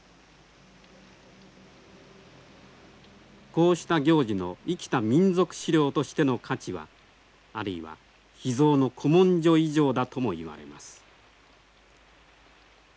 こうした行事の生きた民俗資料としての価値はあるいは秘蔵の古文書以上だともいわれます。